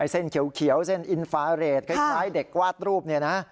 เส้นเขียวเส้นอินฟาเรดคล้ายเด็กวาดรูป